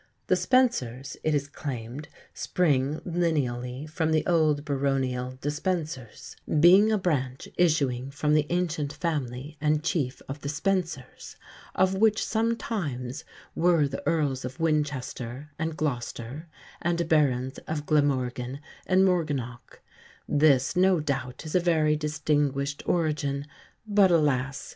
The Spencers, it is claimed, spring lineally from the old baronial Despencers, "being a branche issueing from the ancient family and chieffe of the Spencers, of which sometymes were the Earles of Winchester and Glocester, and Barons of Glamorgan and Morgannocke." This, no doubt, is a very distinguished origin; but, alas!